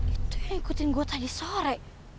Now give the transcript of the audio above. itu yang ikutin gue tadi sore